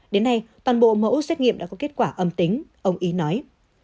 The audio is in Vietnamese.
đến nay toàn bộ mẫu xét nghiệm đã có kết quả âm tính ông ý nói